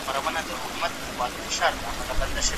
ایا ته آنلاین مطالب لولې؟